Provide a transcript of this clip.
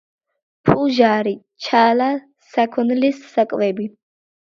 ფუჟარი - ჩალა, საქონლის საკვები